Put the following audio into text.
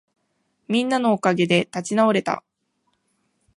みんなのおかげで立ち直れた